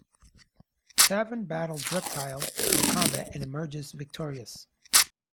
Taven battles Reptile in combat and emerges victorious.